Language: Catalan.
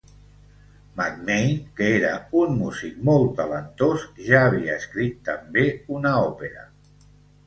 McMein, que era un músic molt talentós, ja havia escrit també una òpera.